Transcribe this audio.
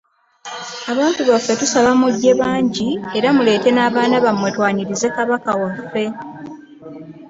Abantu baffe tusaba mujje bangi era muleete n’abaana bammwe twanirize Kabaka waffe.